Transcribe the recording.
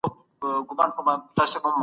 پيغمبر د حق غږ په هر ځای کي اوچت کړی و.